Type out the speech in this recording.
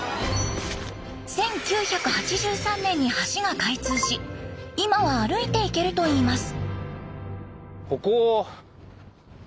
１９８３年に橋が開通し今は歩いて行けるといいます。